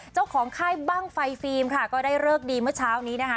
ค่ายบ้างไฟฟิล์มค่ะก็ได้เลิกดีเมื่อเช้านี้นะคะ